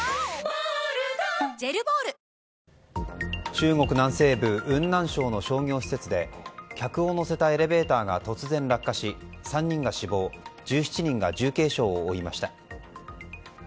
中国南西部雲南省の商業施設で客を乗せたエレベーターが突然落下し３人が死亡１７人が重軽傷を負いました。